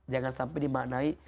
jangan sampai dimaknai